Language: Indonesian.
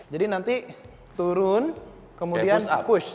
jadi nanti turun kemudian push